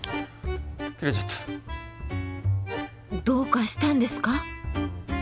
どうかしたんですか？